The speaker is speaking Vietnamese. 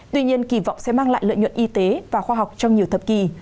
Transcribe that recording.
tuy nhiên kỳ vọng sẽ mang lại lợi nhuận y tế và khoa học trong nhiều thập kỷ